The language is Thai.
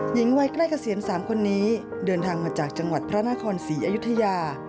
หญิงวัยใกล้เกษียณ๓คนนี้เดินทางมาจากจังหวัดพระนครศรีอยุธยา